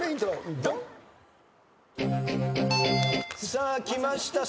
さあきました。